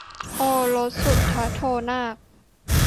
โอรสสุทโธนาค